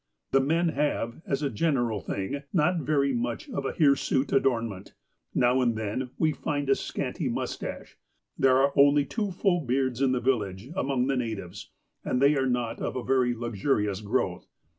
The men have, as a general thing, not very much of a hirsute adornment. Now and then we find a scanty moustache. There are only two full beards in the village among the natives, and they are not of a very luxurious growth.